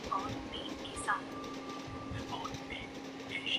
اور تیر تیز چلنے ہیں۔